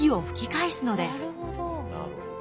なるほど。